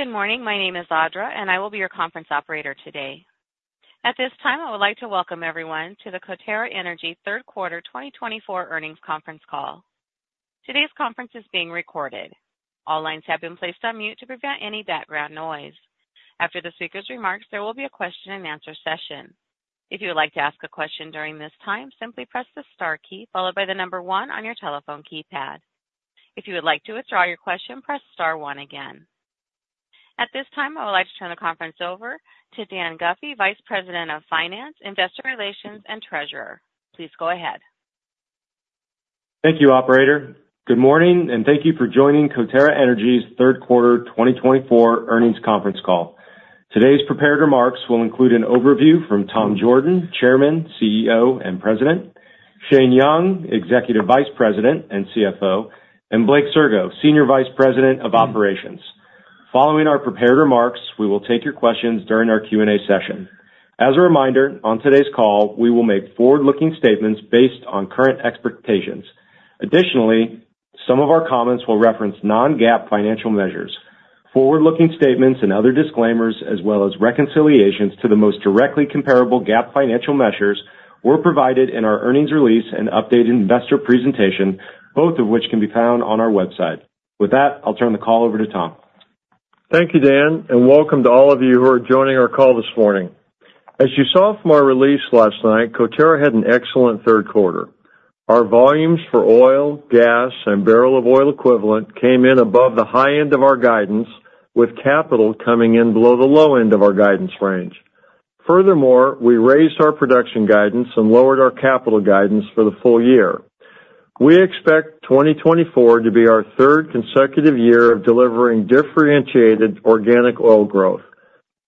Good morning. My name is Audra, and I will be your conference operator today. At this time, I would like to welcome everyone to the Coterra Energy third quarter 2024 earnings conference call. Today's conference is being recorded. All lines have been placed on mute to prevent any background noise. After the speaker's remarks, there will be a question-and-answer session. If you would like to ask a question during this time, simply press the star key followed by the number one on your telephone keypad. If you would like to withdraw your question, press star one again. At this time, I would like to turn the conference over to Dan Guffey, Vice President of Finance, Investor Relations, and Treasurer. Please go ahead. Thank you operator. Good morning, and thank you for joining Coterra Energy's third quarter 2024 earnings conference call. Today's prepared remarks will include an overview from Tom Jorden, Chairman, CEO, and President, Shane Young, Executive Vice President and CFO, and Blake Sirgo, Senior Vice President of Operations. Following our prepared remarks, we will take your questions during our Q&A session. As a reminder, on today's call, we will make forward-looking statements based on current expectations. Additionally, some of our comments will reference non-GAAP financial measures. Forward-looking statements and other disclaimers, as well as reconciliations to the most directly comparable GAAP financial measures, were provided in our earnings release and updated investor presentation, both of which can be found on our website. With that, I'll turn the call over to Tom. Thank you, Dan, and welcome to all of you who are joining our call this morning. As you saw from our release last night, Coterra had an excellent third quarter. Our volumes for oil, gas, and barrel of oil equivalent came in above the high end of our guidance, with capital coming in below the low end of our guidance range. Furthermore, we raised our production guidance and lowered our capital guidance for the full year. We expect 2024 to be our third consecutive year of delivering differentiated organic oil growth.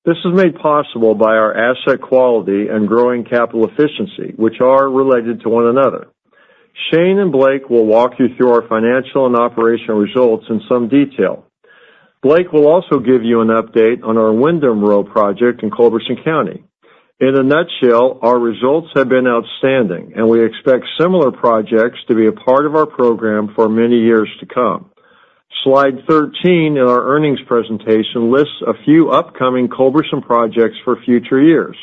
This is made possible by our asset quality and growing capital efficiency, which are related to one another. Shane and Blake will walk you through our financial and operational results in some detail. Blake will also give you an update on our Windham Row project in Culberson County. In a nutshell, our results have been outstanding, and we expect similar projects to be a part of our program for many years to come. Slide 13 in our earnings presentation lists a few upcoming Culberson projects for future years.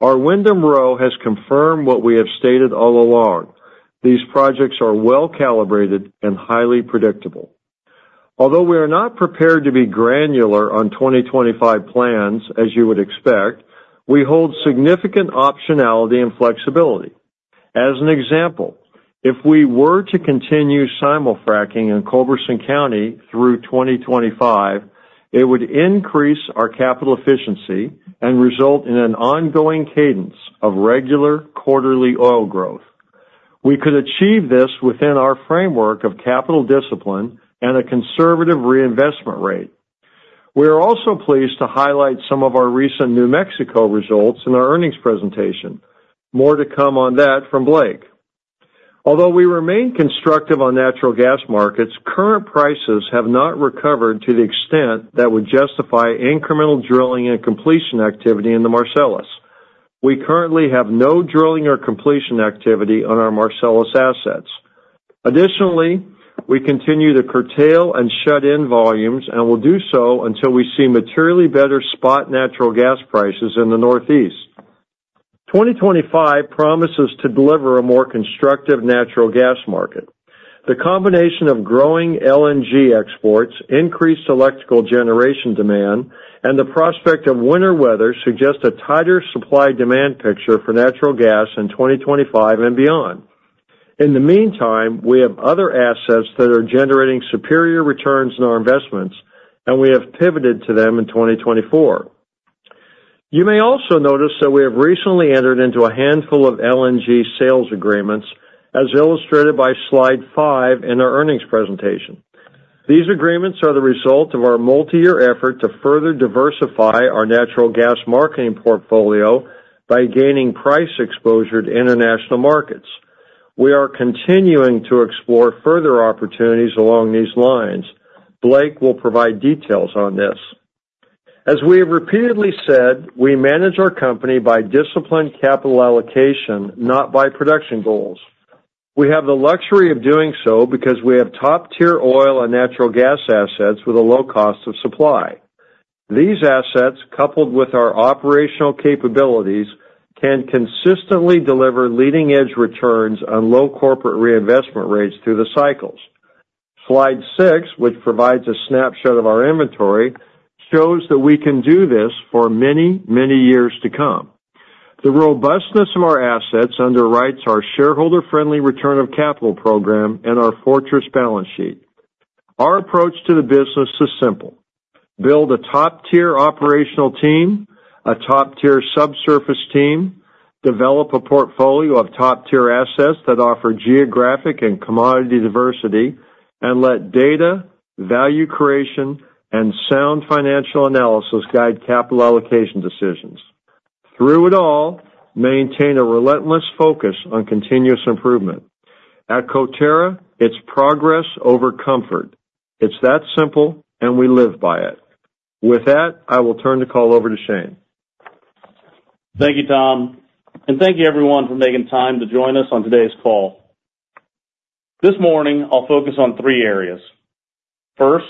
Our Windom Row has confirmed what we have stated all along. These projects are well-calibrated and highly predictable. Although we are not prepared to be granular on 2025 plans, as you would expect, we hold significant optionality and flexibility. As an example, if we were to continue simul-frac in Culberson County through 2025, it would increase our capital efficiency and result in an ongoing cadence of regular quarterly oil growth. We could achieve this within our framework of capital discipline and a conservative reinvestment rate. We are also pleased to highlight some of our recent New Mexico results in our earnings presentation. More to come on that from Blake. Although we remain constructive on natural gas markets, current prices have not recovered to the extent that would justify incremental drilling and completion activity in the Marcellus. We currently have no drilling or completion activity on our Marcellus assets. Additionally, we continue to curtail and shut in volumes and will do so until we see materially better spot natural gas prices in the Northeast. 2025 promises to deliver a more constructive natural gas market. The combination of growing LNG exports, increased electrical generation demand, and the prospect of winter weather suggests a tighter supply-demand picture for natural gas in 2025 and beyond. In the meantime, we have other assets that are generating superior returns in our investments, and we have pivoted to them in 2024. You may also notice that we have recently entered into a handful of LNG sales agreements, as illustrated by slide five in our earnings presentation. These agreements are the result of our multi-year effort to further diversify our natural gas marketing portfolio by gaining price exposure to international markets. We are continuing to explore further opportunities along these lines. Blake will provide details on this. As we have repeatedly said, we manage our company by disciplined capital allocation, not by production goals. We have the luxury of doing so because we have top-tier oil and natural gas assets with a low cost of supply. These assets, coupled with our operational capabilities, can consistently deliver leading-edge returns on low corporate reinvestment rates through the cycles. Slide six, which provides a snapshot of our inventory, shows that we can do this for many, many years to come. The robustness of our assets underwrites our shareholder-friendly return of capital program and our fortress balance sheet. Our approach to the business is simple: build a top-tier operational team, a top-tier subsurface team, develop a portfolio of top-tier assets that offer geographic and commodity diversity, and let data, value creation, and sound financial analysis guide capital allocation decisions. Through it all, maintain a relentless focus on continuous improvement. At Coterra, it's progress over comfort. It's that simple, and we live by it. With that, I will turn the call over to Shane. Thank you, Tom, and thank you, everyone, for making time to join us on today's call. This morning, I'll focus on three areas. First,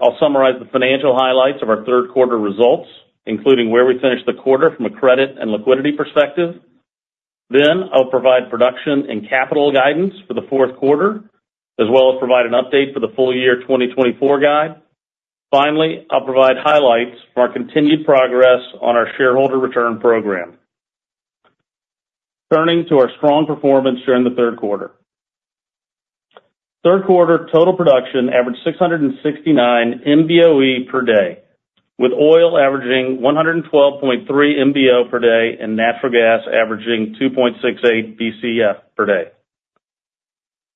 I'll summarize the financial highlights of our third quarter results, including where we finished the quarter from a credit and liquidity perspective. Then, I'll provide production and capital guidance for the fourth quarter, as well as provide an update for the full-year 2024 guide. Finally, I'll provide highlights from our continued progress on our shareholder return program. Turning to our strong performance during the third quarter, third quarter total production averaged 669 MBOE per day, with oil averaging 112.3 MBO per day and natural gas averaging 2.68 BCF per day.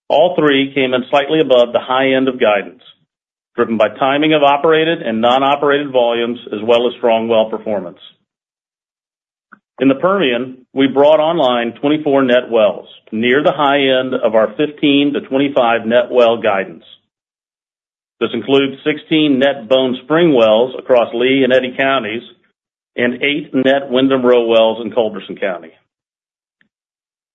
All three came in slightly above the high end of guidance, driven by timing of operated and non-operated volumes, as well as strong well performance. In the Permian, we brought online 24 net wells, near the high end of our 15-25 net well guidance. This includes 16 net Bone Spring wells across Lea and Eddy counties and eight net Windom Row wells in Culberson County.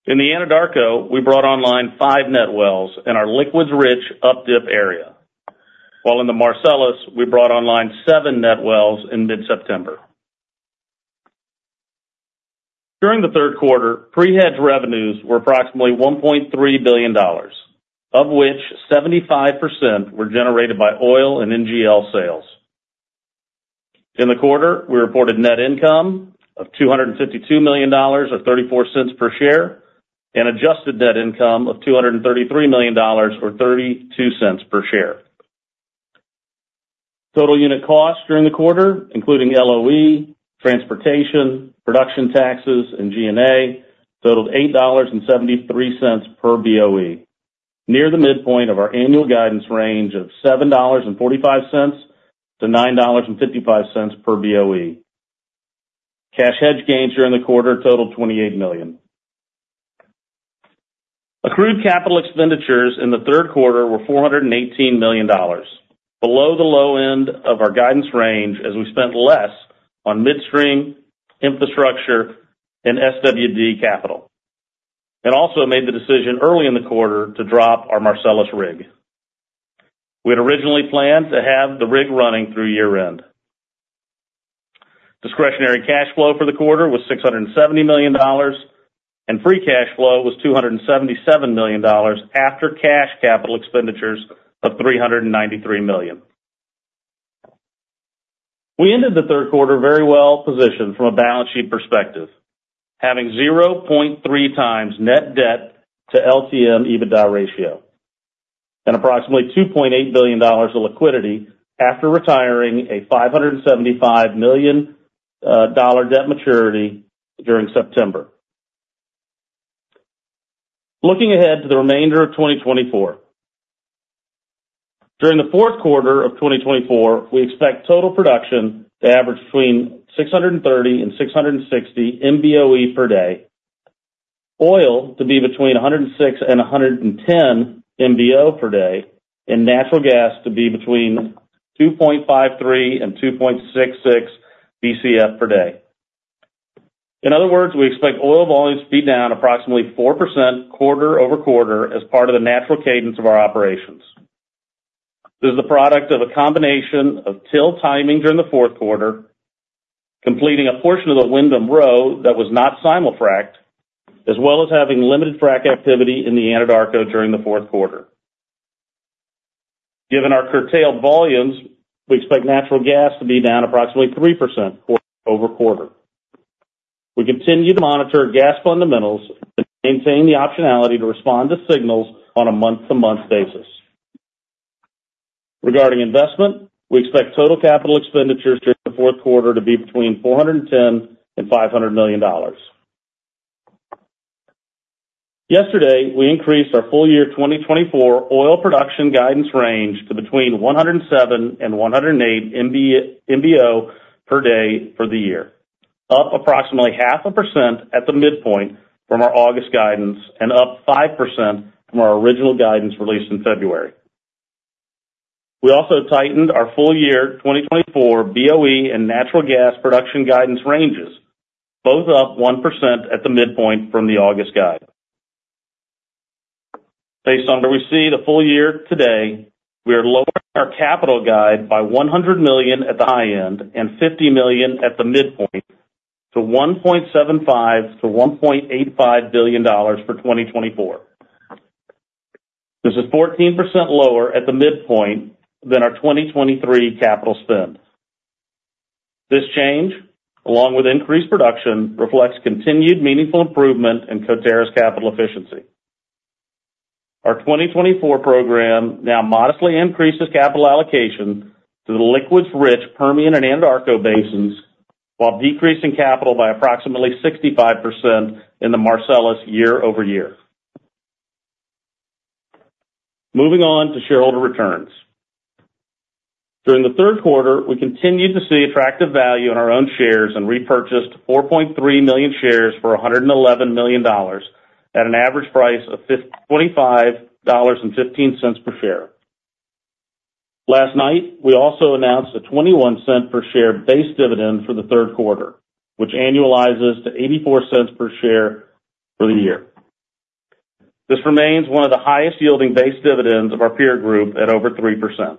In the Anadarko, we brought online five net wells in our liquids-rich updip area, while in the Marcellus, we brought online seven net wells in mid-September. During the third quarter, pre-hedge revenues were approximately $1.3 billion, of which 75% were generated by oil and NGL sales. In the quarter, we reported net income of $252 million or $0.34 per share and adjusted net income of $233 million or $0.32 per share. Total unit costs during the quarter, including LOE, transportation, production taxes, and G&A, totaled $8.73 per BOE, near the midpoint of our annual guidance range of $7.45-$9.55 per BOE. Cash hedge gains during the quarter totaled $28 million. Accrued capital expenditures in the third quarter were $418 million, below the low end of our guidance range as we spent less on midstream infrastructure and SWD capital, and also made the decision early in the quarter to drop our Marcellus rig. We had originally planned to have the rig running through year-end. Discretionary cash flow for the quarter was $670 million, and free cash flow was $277 million after cash capital expenditures of $393 million. We ended the third quarter very well positioned from a balance sheet perspective, having 0.3 times net debt to LTM/EBITDA ratio and approximately $2.8 billion of liquidity after retiring a $575 million debt maturity during September. Looking ahead to the remainder of 2024, during the fourth quarter of 2024, we expect total production to average between 630 and 660 MBOE per day, oil to be between 106 and 110 MBO per day, and natural gas to be between 2.53 and 2.66 BCF per day. In other words, we expect oil volumes to be down approximately 4% quarter over quarter as part of the natural cadence of our operations. This is the product of a combination of drill timing during the fourth quarter, completing a portion of the Windom Row that was not simul fracked, as well as having limited frack activity in the Anadarko during the fourth quarter. Given our curtailed volumes, we expect natural gas to be down approximately 3% quarter over quarter. We continue to monitor gas fundamentals and maintain the optionality to respond to signals on a month-to-month basis. Regarding investment, we expect total capital expenditures during the fourth quarter to be between $410 to 500 million. Yesterday, we increased our full-year 2024 oil production guidance range to between 107 to 108 MBO per day for the year, up approximately 0.5% at the midpoint from our August guidance and up 5% from our original guidance released in February. We also tightened our full-year 2024 BOE and natural gas production guidance ranges, both up 1% at the midpoint from the August guide. Based on where we see the full year today, we are lowering our capital guide by $100 million at the high end and $50 million at the midpoint to $1.75 to 1.85 billion for 2024. This is 14% lower at the midpoint than our 2023 capital spend. This change, along with increased production, reflects continued meaningful improvement in Coterra's capital efficiency. Our 2024 program now modestly increases capital allocation to the liquids-rich Permian and Anadarko Basins while decreasing capital by approximately 65% in the Marcellus year-over-year. Moving on to shareholder returns. During the third quarter, we continued to see attractive value in our own shares and repurchased 4.3 million shares for $111 million at an average price of $25.15 per share. Last night, we also announced a $0.21 per share base dividend for the third quarter, which annualizes to $0.84 per share for the year. This remains one of the highest-yielding base dividends of our peer group at over 3%.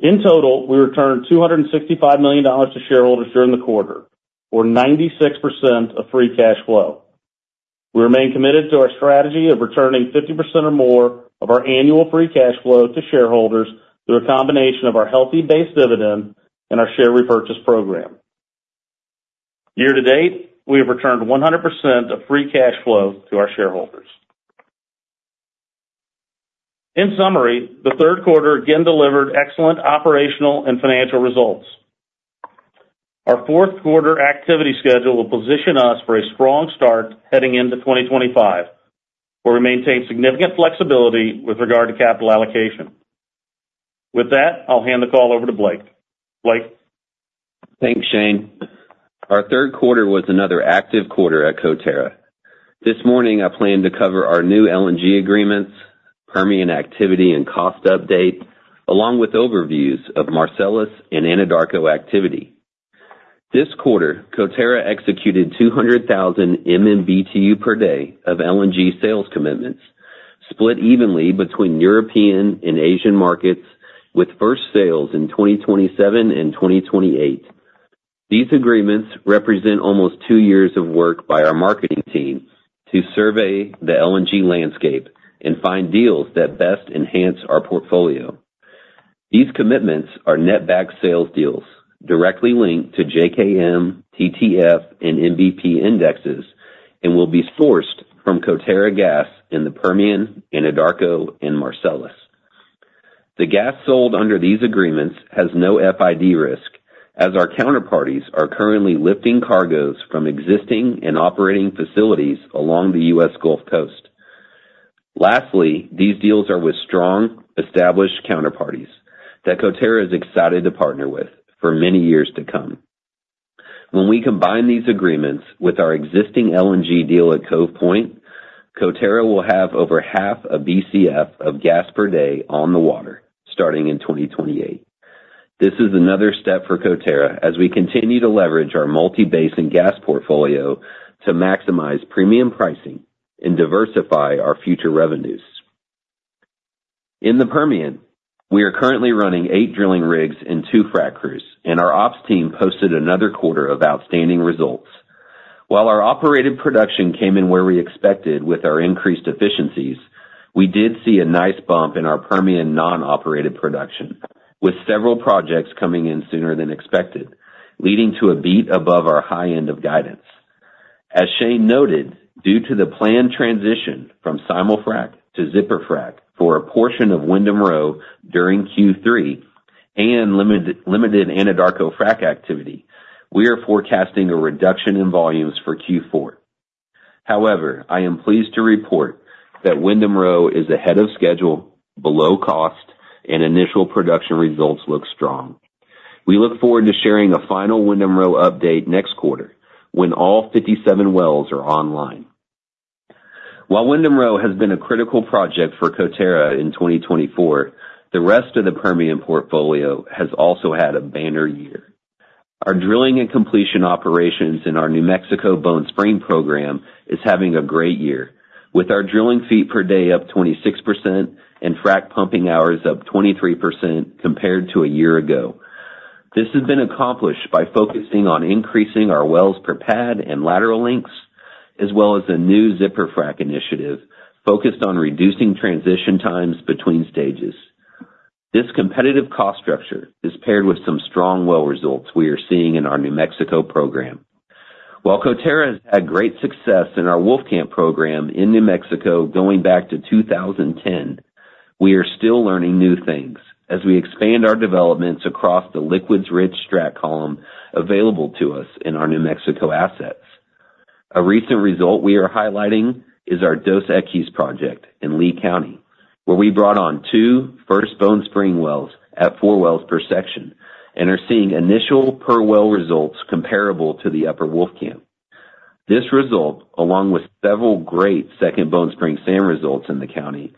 In total, we returned $265 million to shareholders during the quarter, or 96% of free cash flow. We remain committed to our strategy of returning 50% or more of our annual free cash flow to shareholders through a combination of our healthy base dividend and our share repurchase program. Year to date, we have returned 100% of free cash flow to our shareholders. In summary, the third quarter again delivered excellent operational and financial results. Our fourth quarter activity schedule will position us for a strong start heading into 2025, where we maintain significant flexibility with regard to capital allocation. With that, I'll hand the call over to Blake. Blake. Thanks, Shane. Our third quarter was another active quarter at Coterra. This morning, I planned to cover our new LNG agreements, Permian activity and cost update, along with overviews of Marcellus and Anadarko activity. This quarter, Coterra executed 200,000 MMBTU per day of LNG sales commitments, split evenly between European and Asian markets, with first sales in 2027 and 2028. These agreements represent almost two years of work by our marketing team to survey the LNG landscape and find deals that best enhance our portfolio. These commitments are netback sales deals directly linked to JKM, TTF, and NBP indexes and will be sourced from Coterra Gas in the Permian, Anadarko, and Marcellus. The gas sold under these agreements has no FID risk, as our counterparties are currently lifting cargoes from existing and operating facilities along the U.S. Gulf Coast. Lastly, these deals are with strong, established counterparties that Coterra is excited to partner with for many years to come. When we combine these agreements with our existing LNG deal at Cove Point, Coterra will have over half a BCF of gas per day on the water starting in 2028. This is another step for Coterra as we continue to leverage our multi-basin and gas portfolio to maximize premium pricing and diversify our future revenues. In the Permian, we are currently running eight drilling rigs and two frack crews, and our ops team posted another quarter of outstanding results. While our operated production came in where we expected with our increased efficiencies, we did see a nice bump in our Permian non-operated production, with several projects coming in sooner than expected, leading to a beat above our high end of guidance. As Shane noted, due to the planned transition from Simul-Frac to Zipper Frac for a portion of Windom Row during Q3 and limited Anadarko frack activity, we are forecasting a reduction in volumes for Q4. However, I am pleased to report that Windom Row is ahead of schedule, below cost, and initial production results look strong. We look forward to sharing a final Windom Row update next quarter when all 57 wells are online. While Windom Row has been a critical project for Coterra in 2024, the rest of the Permian portfolio has also had a banner year. Our drilling and completion operations in our New Mexico Bone Spring program are having a great year, with our Drilling Feet Per Day up 26% and frack pumping hours up 23% compared to a year ago. This has been accomplished by focusing on increasing our wells per pad and lateral lengths, as well as a new zipper frac initiative focused on reducing transition times between stages. This competitive cost structure is paired with some strong well results we are seeing in our New Mexico program. While Coterra has had great success in our Wolfcamp program in New Mexico going back to 2010, we are still learning new things as we expand our developments across the liquids-rich strat column available to us in our New Mexico assets. A recent result we are highlighting is our Dos Equis project in Lea County, where we brought on two First Bone Spring wells at four wells per section and are seeing initial per well results comparable to the upper Wolfcamp. This result, along with several great Second Bone Spring sand results in the county, is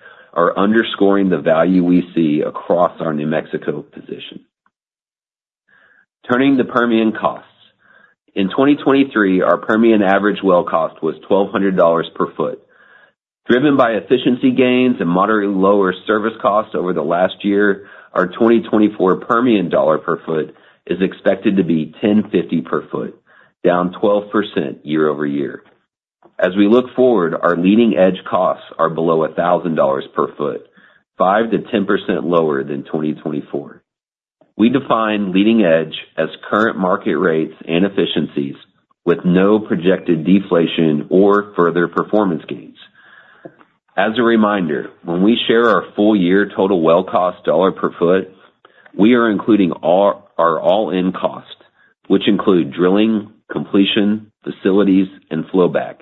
underscoring the value we see across our New Mexico position. Turning to Permian costs, in 2023, our Permian average well cost was $1,200 per foot. Driven by efficiency gains and moderately lower service costs over the last year, our 2024 Permian dollar per foot is expected to be $1,050 per foot, down 12% year-over-year. As we look forward, our leading edge costs are below $1,000 per foot, 5% to 10% lower than 2024. We define leading edge as current market rates and efficiencies with no projected deflation or further performance gains. As a reminder, when we share our full-year total well cost dollar per foot, we are including our all-in cost, which includes drilling, completion, facilities, and flowback.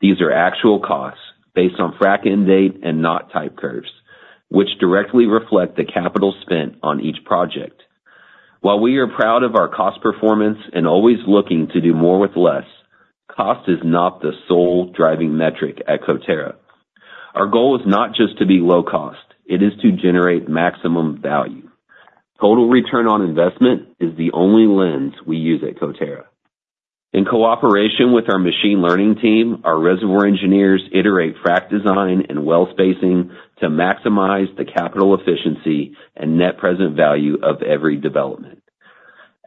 These are actual costs based on frac-in-date and net type curves, which directly reflect the capital spent on each project. While we are proud of our cost performance and always looking to do more with less, cost is not the sole driving metric at Coterra. Our goal is not just to be low cost. It is to generate maximum value. Total return on investment is the only lens we use at Coterra. In cooperation with our machine learning team, our reservoir engineers iterate frac design and well spacing to maximize the capital efficiency and net present value of every development.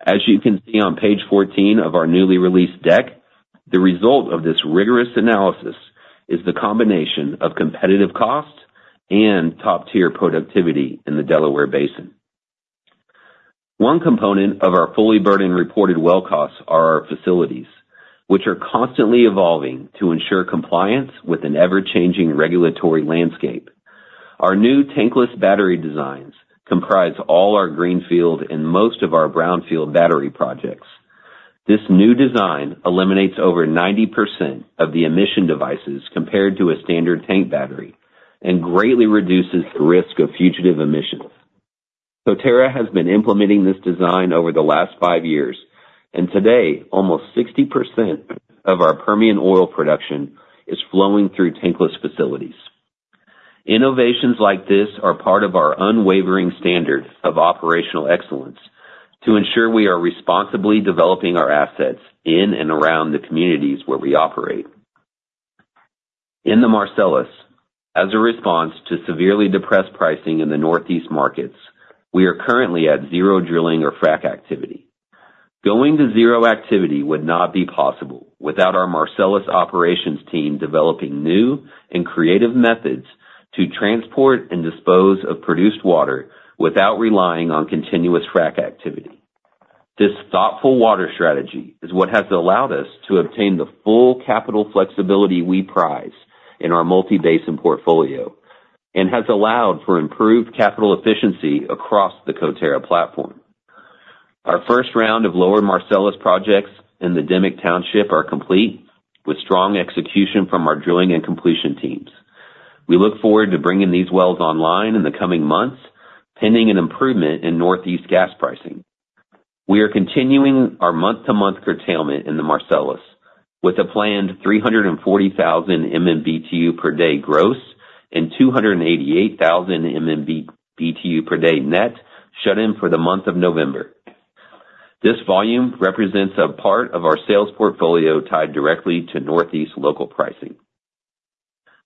As you can see on page 14 of our newly released deck, the result of this rigorous analysis is the combination of competitive cost and top-tier productivity in the Delaware Basin. One component of our fully burdened reported well costs are our facilities, which are constantly evolving to ensure compliance with an ever-changing regulatory landscape. Our new tankless battery designs comprise all our greenfield and most of our brownfield battery projects. This new design eliminates over 90% of the emission devices compared to a standard tank battery and greatly reduces the risk of fugitive emissions. Coterra has been implementing this design over the last five years, and today, almost 60% of our Permian oil production is flowing through tankless facilities. Innovations like this are part of our unwavering standard of operational excellence to ensure we are responsibly developing our assets in and around the communities where we operate. In the Marcellus, as a response to severely depressed pricing in the Northeast markets, we are currently at zero drilling or frack activity. Going to zero activity would not be possible without our Marcellus operations team developing new and creative methods to transport and dispose of produced water without relying on continuous frack activity. This thoughtful water strategy is what has allowed us to obtain the full capital flexibility we prize in our multi-base and portfolio and has allowed for improved capital efficiency across the Coterra platform. Our first round of lower Marcellus projects in the Dimock Township is complete, with strong execution from our drilling and completion teams. We look forward to bringing these wells online in the coming months, pending an improvement in Northeast gas pricing. We are continuing our month-to-month curtailment in the Marcellus, with a planned 340,000 MMBTU per day gross and 288,000 MMBTU per day net shut-in for the month of November. This volume represents a part of our sales portfolio tied directly to Northeast local pricing.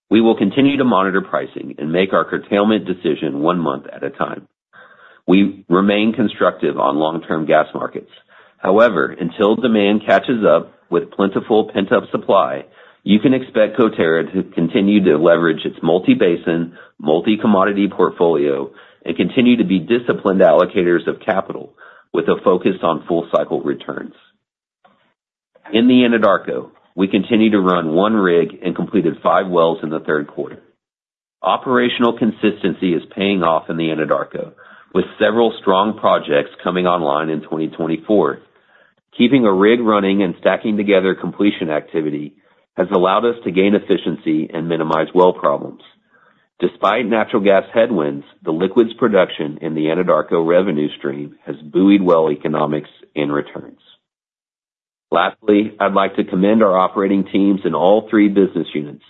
We will continue to monitor pricing and make our curtailment decision one month at a time. We remain constructive on long-term gas markets. However, until demand catches up with plentiful pent-up supply, you can expect Coterra to continue to leverage its multi-basin and multi-commodity portfolio and continue to be disciplined allocators of capital with a focus on full-cycle returns. In the Anadarko, we continue to run one rig and completed five wells in the third quarter. Operational consistency is paying off in the Anadarko, with several strong projects coming online in 2024. Keeping a rig running and stacking together completion activity has allowed us to gain efficiency and minimize well problems. Despite natural gas headwinds, the liquids production in the Anadarko revenue stream has buoyed well economics and returns. Lastly, I'd like to commend our operating teams in all three business units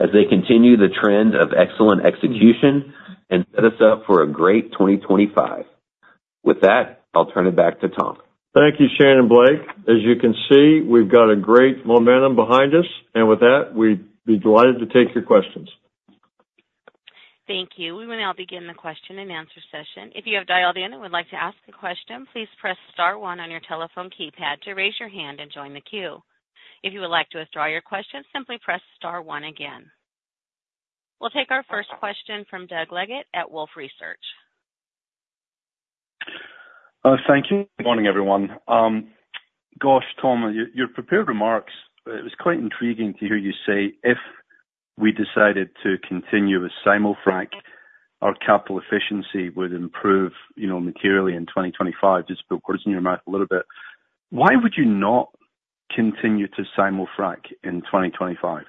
as they continue the trend of excellent execution and set us up for a great 2025. With that, I'll turn it back to Tom. Thank you, Shane and Blake. As you can see, we've got a great momentum behind us, and with that, we'd be delighted to take your questions. Thank you. We will now begin the question and answer session. If you have dialed in and would like to ask a question, please press star one on your telephone keypad to raise your hand and join the queue. If you would like to withdraw your question, simply press star one again. We'll take our first question from Doug Leggett at Wolfe Research. Thank you. Good morning, everyone. Gosh, Tom, your prepared remarks, it was quite intriguing to hear you say if we decided to continue with Simul-Frac, our capital efficiency would improve materially in 2025. Just put words in your mouth a little bit. Why would you not continue to Simul-Frac in 2025?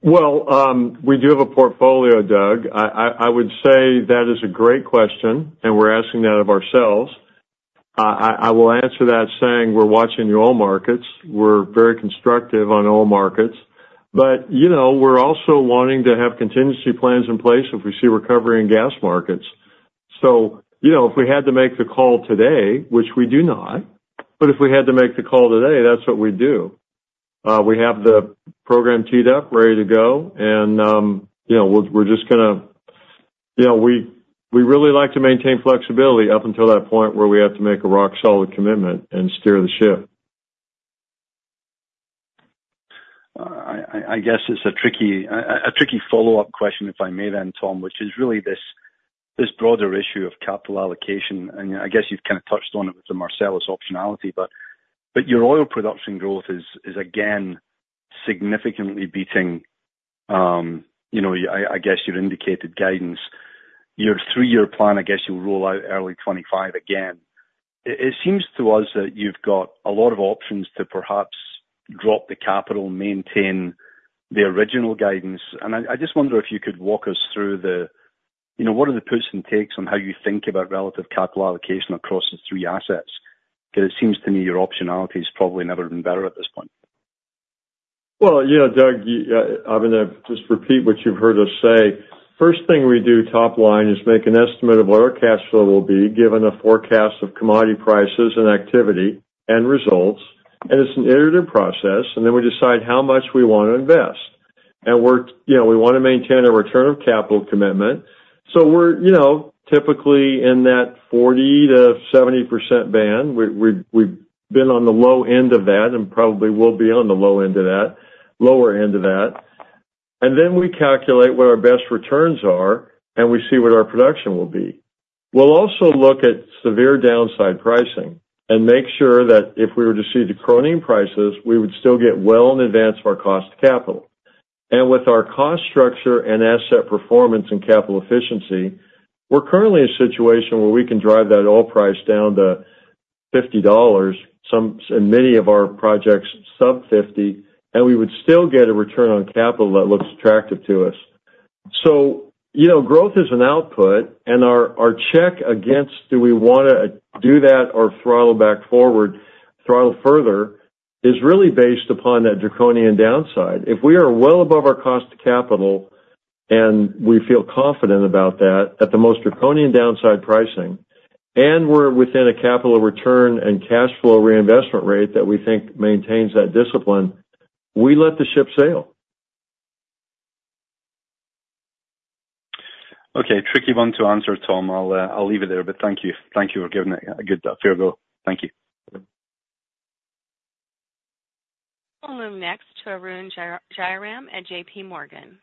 We do have a portfolio, Doug. I would say that is a great question, and we're asking that of ourselves. I will answer that saying we're watching your oil markets. We're very constructive on oil markets, but we're also wanting to have contingency plans in place if we see recovery in gas markets. So if we had to make the call today, which we do not, but if we had to make the call today, that's what we do. We have the program teed up, ready to go, and we're just going to. We really like to maintain flexibility up until that point where we have to make a rock-solid commitment and steer the ship. I guess it's a tricky follow-up question, if I may then, Tom, which is really this broader issue of capital allocation. And I guess you've kind of touched on it with the Marcellus optionality, but your oil production growth is again significantly beating—I guess you'd indicated guidance. Your three-year plan, I guess you'll roll out early 2025 again. It seems to us that you've got a lot of options to perhaps drop the capital, maintain the original guidance. And I just wonder if you could walk us through the—what are the perks and takes on how you think about relative capital allocation across the three assets? Because it seems to me your optionality has probably never been better at this point. Yeah, Doug, I'm going to just repeat what you've heard us say. First thing we do top line is make an estimate of what our cash flow will be given a forecast of commodity prices and activity and results. And it's an iterative process, and then we decide how much we want to invest. And we want to maintain a return of capital commitment. So we're typically in that 40%-70% band. We've been on the low end of that and probably will be on the lower end of that. And then we calculate what our best returns are, and we see what our production will be. We'll also look at severe downside pricing and make sure that if we were to see decreasing prices, we would still get well in advance of our cost of capital. And with our cost structure and asset performance and capital efficiency, we're currently in a situation where we can drive that oil price down to $50, and many of our projects sub-50, and we would still get a return on capital that looks attractive to us. So growth is an output, and our check against do we want to do that or throttle back forward, throttle further, is really based upon that draconian downside. If we are well above our cost of capital and we feel confident about that at the most draconian downside pricing, and we're within a capital return and cash flow reinvestment rate that we think maintains that discipline, we let the ship sail. Okay, tricky one to answer, Tom. I'll leave it there, but thank you. Thank you for giving a good fair go. Thank you. We'll move next to Arun Jayaram at J.P. Morgan.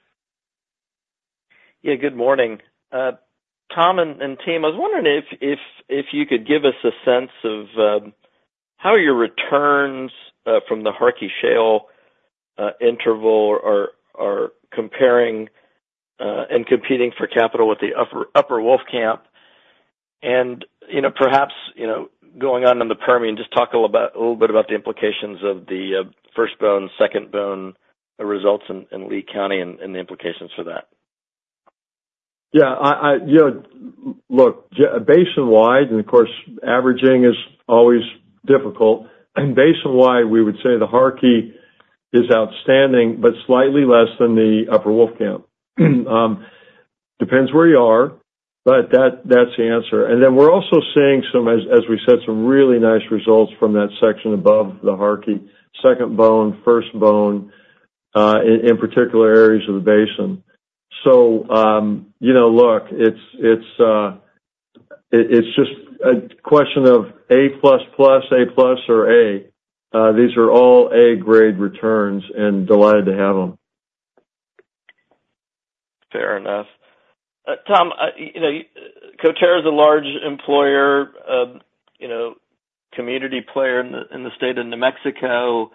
Yeah, good morning. Tom and team, I was wondering if you could give us a sense of how your returns from the Harkey Shale interval are comparing and competing for capital with the upper Wolfcamp. And perhaps going on in the Permian, just talk a little bit about the implications of the first bone, second bone results in Lea County and the implications for that. Yeah. Look, basin-wide, and of course, averaging is always difficult. And basin-wide, we would say the Harkey is outstanding, but slightly less than the upper Wolfcamp. Depends where you are, but that's the answer. And then we're also seeing, as we said, some really nice results from that section above the Harkey, second bone, first bone, in particular areas of the basin. So look, it's just a question of A plus plus, A plus or A. These are all A-grade returns and delighted to have them. Fair enough. Tom, Coterra is a large employer, community player in the state of New Mexico.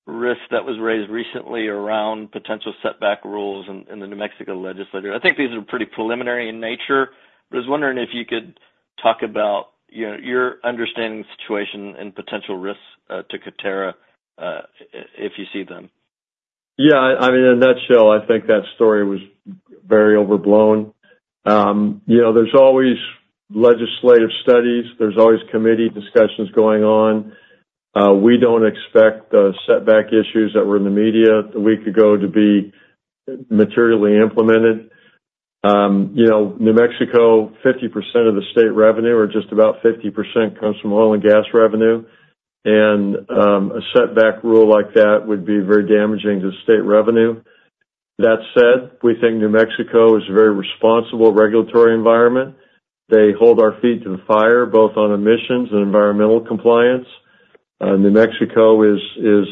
I was wondering if you could just talk about some of the regulatory risks that were raised recently around potential setback rules in the New Mexico legislature. I think these are pretty preliminary in nature, but I was wondering if you could talk about your understanding of the situation and potential risks to Coterra if you see them? Yeah, I mean, in a nutshell, I think that story was very overblown. There's always legislative studies. There's always committee discussions going on. We don't expect the setback issues that were in the media a week ago to be materially implemented. New Mexico, 50% of the state revenue or just about 50% comes from oil and gas revenue, and a setback rule like that would be very damaging to state revenue. That said, we think New Mexico is a very responsible regulatory environment. They hold our feet to the fire, both on emissions and environmental compliance. New Mexico is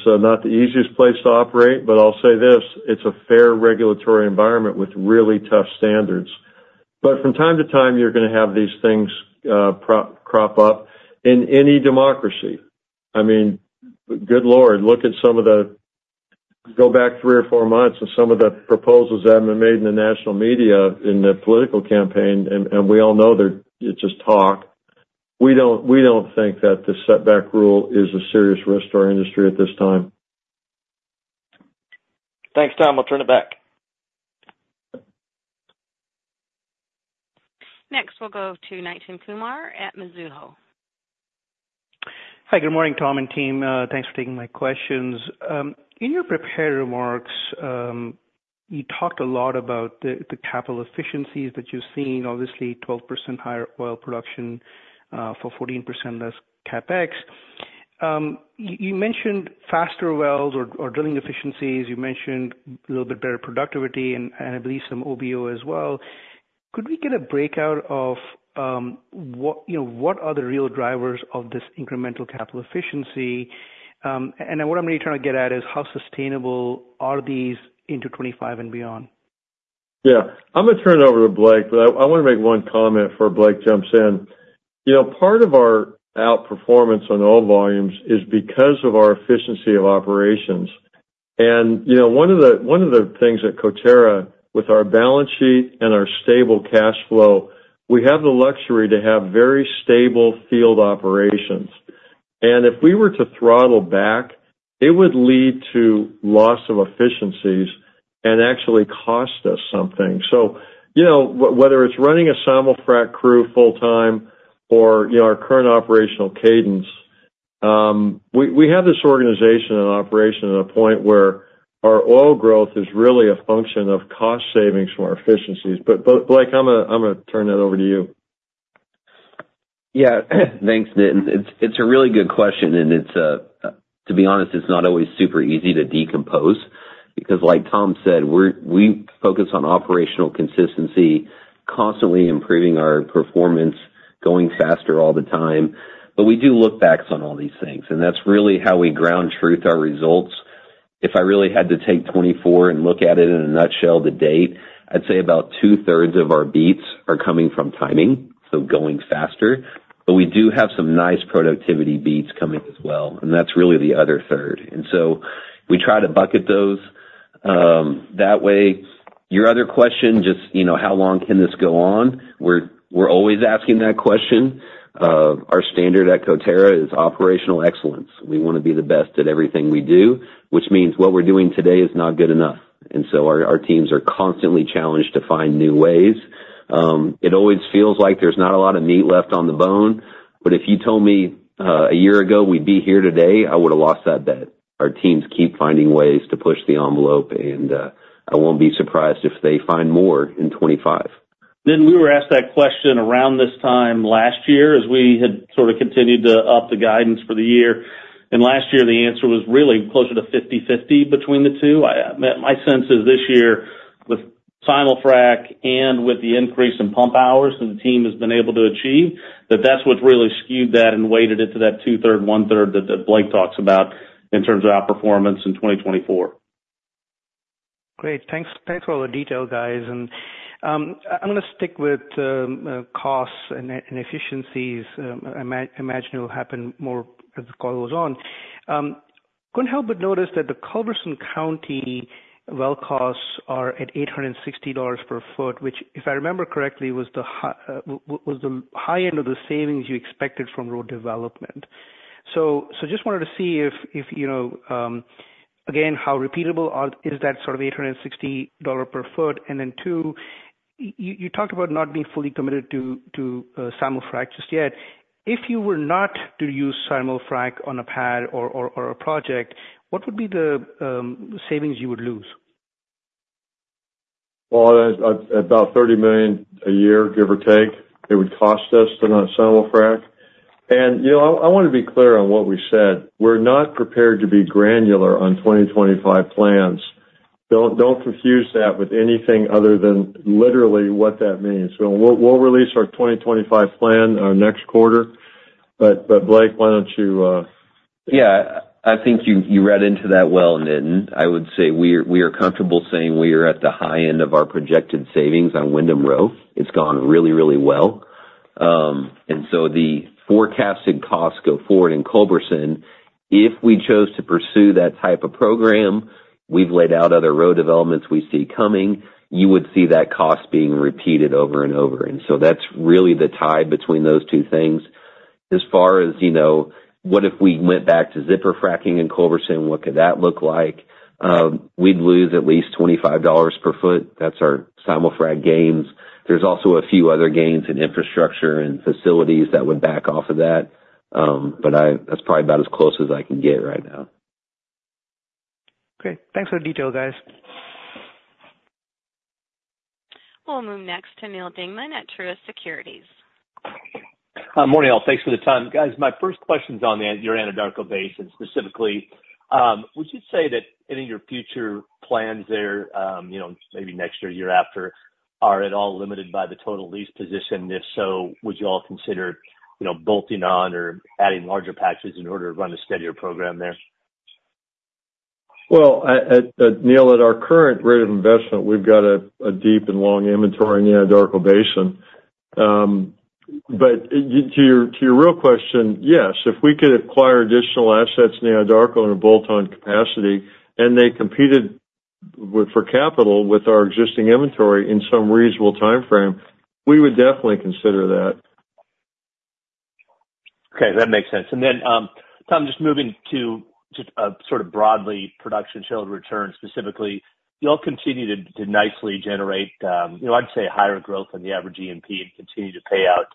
not the easiest place to operate, but I'll say this: it's a fair regulatory environment with really tough standards, but from time to time, you're going to have these things crop up in any democracy. I mean, good Lord, look at some of the, go back three or four months and some of the proposals that have been made in the national media in the political campaign, and we all know it's just talk. We don't think that the setback rule is a serious risk to our industry at this time. Thanks, Tom. I'll turn it back. Next, we'll go to Nitin Kumar at Mizuho. Hi, good morning, Tom and team. Thanks for taking my questions. In your prepared remarks, you talked a lot about the capital efficiencies that you've seen, obviously 12% higher oil production for 14% less CapEx. You mentioned faster wells or drilling efficiencies. You mentioned a little bit better productivity and, I believe, some OpEx as well. Could we get a breakout of what are the real drivers of this incremental capital efficiency? And what I'm really trying to get at is how sustainable are these into 2025 and beyond? Yeah. I'm going to turn it over to Blake, but I want to make one comment before Blake jumps in. Part of our outperformance on oil volumes is because of our efficiency of operations. And one of the things at Coterra, with our balance sheet and our stable cash flow, we have the luxury to have very stable field operations. And if we were to throttle back, it would lead to loss of efficiencies and actually cost us something. So whether it's running a simul-frac crew full-time or our current operational cadence, we have this organization and operation at a point where our oil growth is really a function of cost savings from our efficiencies. But Blake, I'm going to turn that over to you. Yeah, thanks, Nitin. It's a really good question, and to be honest, it's not always super easy to decompose because, like Tom said, we focus on operational consistency, constantly improving our performance, going faster all the time. But we do look backs on all these things, and that's really how we ground truth our results. If I really had to take 2024 and look at it in a nutshell to date, I'd say about two-thirds of our beats are coming from timing, so going faster. We do have some nice productivity beats coming as well, and that's really the other third. So we try to bucket those that way. Your other question, just how long can this go on? We're always asking that question. Our standard at Coterra is operational excellence. We want to be the best at everything we do, which means what we're doing today is not good enough, and so our teams are constantly challenged to find new ways. It always feels like there's not a lot of meat left on the bone, but if you told me a year ago we'd be here today, I would have lost that bet. Our teams keep finding ways to push the envelope, and I won't be surprised if they find more in 2025. Nitin, we were asked that question around this time last year as we had sort of continued to up the guidance for the year, and last year, the answer was really closer to 50/50 between the two. My sense is this year, with Simul-Frac and with the increase in pump hours that the team has been able to achieve, that that's what really skewed that and weighted it to that two-thirds, one-third that Blake talks about in terms of outperformance in 2024. Great. Thanks for all the detail, guys. And I'm going to stick with costs and efficiencies. I imagine it will happen more as the call goes on. Couldn't help but notice that the Culberson County well costs are at $860 per foot, which, if I remember correctly, was the high end of the savings you expected from row development. So just wanted to see if, again, how repeatable is that sort of $860 per foot? And then two, you talked about not being fully committed to simul-frac just yet. If you were not to use simul-frac on a pad or a project, what would be the savings you would lose? About $30 million a year, give or take. It would cost us to not simul-frac. I want to be clear on what we said. We're not prepared to be granular on 2025 plans. Don't confuse that with anything other than literally what that means. We'll release our 2025 plan our next quarter, but Blake, why don't you? Yeah. I think you read into that well, Nitin. I would say we are comfortable saying we are at the high end of our projected savings on Windom Row. It's gone really, really well. And so the forecasted costs go forward in Culberson. If we chose to pursue that type of program, we've laid out other road developments we see coming, you would see that cost being repeated over and over. And so that's really the tie between those two things. As far as what if we went back to zipper frac in Culberson, what could that look like? We'd lose at least $25 per foot. That's our simul-frac gains. There's also a few other gains in infrastructure and facilities that would back off of that, but that's probably about as close as I can get right now. Great. Thanks for the detail, guys. We'll move next to Neal Dingmann at Truist Securities. Morning all. Thanks for the time. Guys, my first question's on your Anadarko Basin specifically. Would you say that any of your future plans there, maybe next year, year after, are at all limited by the total lease position? If so, would you all consider bolting on or adding larger patches in order to run a steadier program there? Neil, at our current rate of investment, we've got a deep and long inventory in the Anadarko Basin. But to your real question, yes, if we could acquire additional assets in the Anadarko in a bolt-on capacity and they competed for capital with our existing inventory in some reasonable timeframe, we would definitely consider that. Okay. That makes sense. And then, Tom, just moving to just sort of broadly production-shield returns specifically, you'll continue to nicely generate, I'd say, higher growth than the average E&P and continue to pay out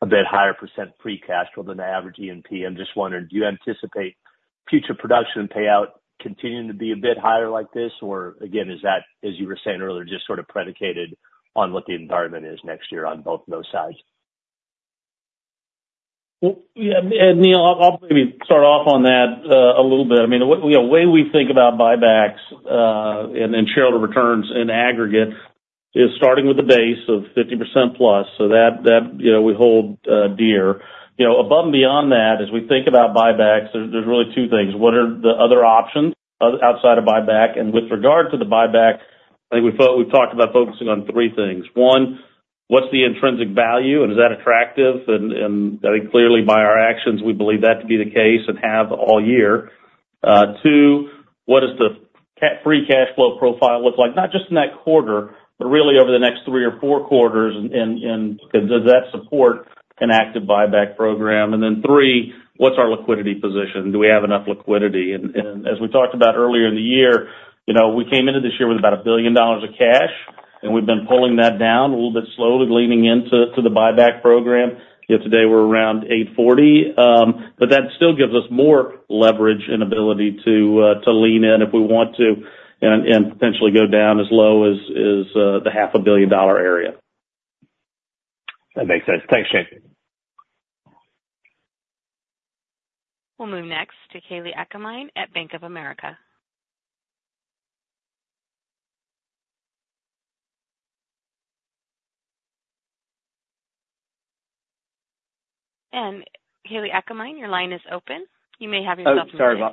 a bit higher percent free cash flow than the average E&P. I'm just wondering, do you anticipate future production payout continuing to be a bit higher like this? Or again, is that, as you were saying earlier, just sort of predicated on what the environment is next year on both of those sides? Well, yeah. Neil, I'll maybe start off on that a little bit. I mean, the way we think about buybacks and shareholder returns in aggregate is starting with the base of 50% plus. So that we hold dear. Above and beyond that, as we think about buybacks, there's really two things. What are the other options outside of buyback? And with regard to the buyback, I think we've talked about focusing on three things. One, what's the intrinsic value, and is that attractive? And I think clearly by our actions, we believe that to be the case and have all year. Two, what does the free cash flow profile look like? Not just in that quarter, but really over the next three or four quarters, and does that support an active buyback program? And then three, what's our liquidity position? Do we have enough liquidity? And as we talked about earlier in the year, we came into this year with about $1 billion of cash, and we've been pulling that down a little bit slowly, leaning into the buyback program. Today, we're around $840 million, but that still gives us more leverage and ability to lean in if we want to and potentially go down as low as the $500 million area. That makes sense. Thanks, Shane. We'll move next to Kalei Akamine at Bank of America, and Kalei Akamine, your line is open. You may have yourself a few.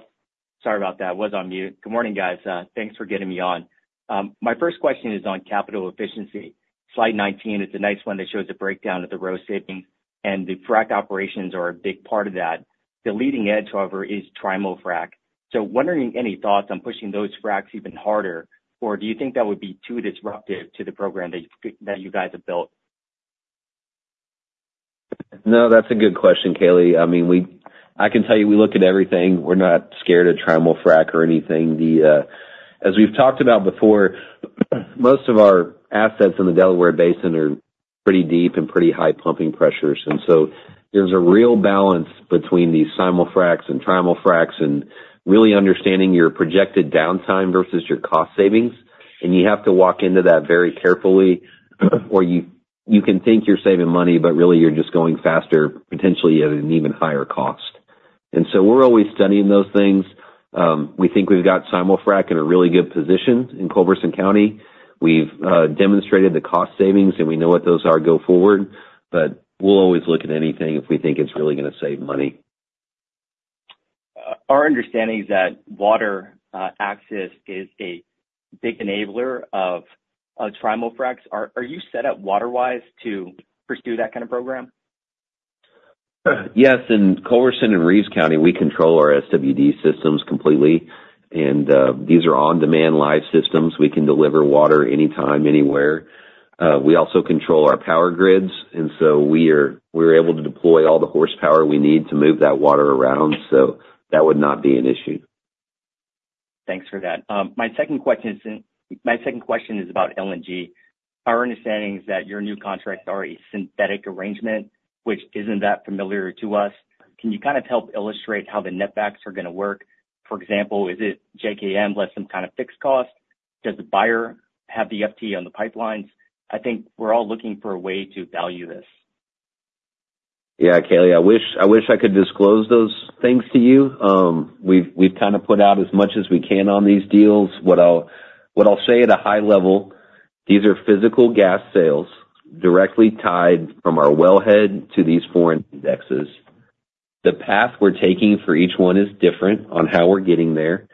Sorry about that, I was on mute. Good morning, guys. Thanks for getting me on. My first question is on capital efficiency. Slide 19, it's a nice one that shows a breakdown of the Row savings, and the frac operations are a big part of that. The leading edge, however, is trimul-frac. So wondering, any thoughts on pushing those fracs even harder, or do you think that would be too disruptive to the program that you guys have built? No, that's a good question, Kalei. I mean, I can tell you we look at everything. We're not scared of trimul-frac or anything. As we've talked about before, most of our assets in the Delaware Basin are pretty deep and pretty high pumping pressures. And so there's a real balance between these simul-fracs and trimul-fracs and really understanding your projected downtime versus your cost savings. You have to walk into that very carefully, or you can think you're saving money, but really you're just going faster, potentially at an even higher cost. So we're always studying those things. We think we've got Simul-Frac in a really good position in Culberson County. We've demonstrated the cost savings, and we know what those are going forward, but we'll always look at anything if we think it's really going to save money. Our understanding is that water access is a big enabler of Trimul-Fracs. Are you set up water-wise to pursue that kind of program? Yes. In Culberson and Reeves County, we control our SWD systems completely. And these are on-demand live systems. We can deliver water anytime, anywhere. We also control our power grids, and so we're able to deploy all the horsepower we need to move that water around, so that would not be an issue. Thanks for that. My second question is about LNG. Our understanding is that your new contract is already a synthetic arrangement, which isn't that familiar to us. Can you kind of help illustrate how the netbacks are going to work? For example, is it JKM lets them kind of fix costs? Does the buyer have the FTE on the pipelines? I think we're all looking for a way to value this. Yeah, Kalei, I wish I could disclose those things to you. We've kind of put out as much as we can on these deals. What I'll say at a high level, these are physical gas sales directly tied from our wellhead to these foreign indexes. The path we're taking for each one is different on how we're getting there.